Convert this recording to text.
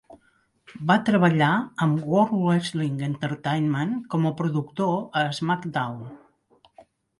Va treballar amb World Wrestling Entertainment com a productor a SmackDown.